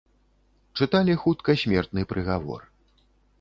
Чыталі хутка смертны прыгавор.